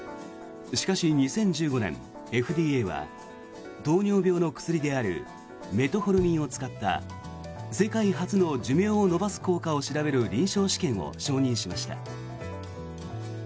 しかし２０１５年、ＦＤＡは糖尿病の薬であるメトホルミンを使った世界初の寿命を延ばす効果を調べる臨床試験を承認しました。